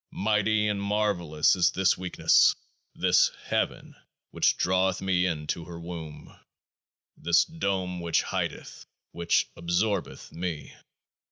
Mighty and marvellous is this Weakness, this Heaven which draweth me into Her Womb, this Dome which hideth, which absorbeth, Me.